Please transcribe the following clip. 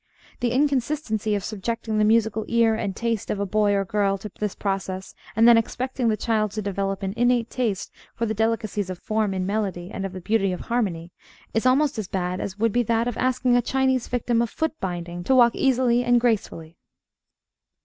The inconsistency of subjecting the musical ear and taste of a boy or girl to this process, and then expecting the child to develop an innate taste for the delicacies of form in melody and of the beauty of harmony, is almost as bad as would be that of asking a Chinese victim of foot binding to walk easily and gracefully.